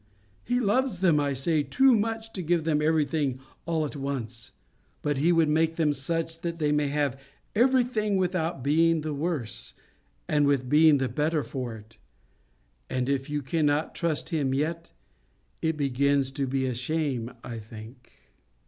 He loves them, I say, too much to give them everything all at once. But He would make them such that they may have everything without being the worse, and with being the better for it. And if you cannot trust Him yet, it begins to be a shame, I think.